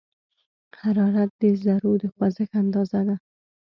حرارت د ذرّو د خوځښت اندازه ده.